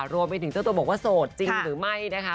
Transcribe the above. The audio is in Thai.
รวมไปถึงเจ้าตัวบอกว่าโสดจริงหรือไม่นะคะ